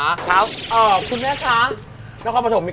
น้องข้าวประถมมีข้าวหลามด้วยเหรอ